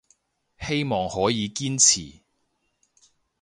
希望可以堅持